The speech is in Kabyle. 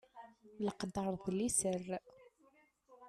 Leqder d liser.